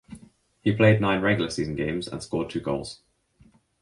He played nine regular season games and scored two goals.